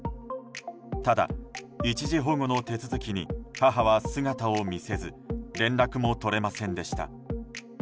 ただ、一時保護の手続きに母は姿を見せず連絡も取れませんでした。